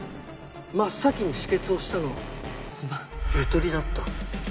真っ先に止血をしたのはゆとりだった。